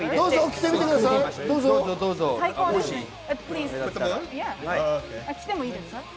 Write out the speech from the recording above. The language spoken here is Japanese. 着てみてもいいですか？